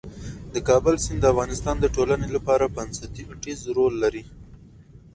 د کابل سیند د افغانستان د ټولنې لپاره بنسټيز رول لري.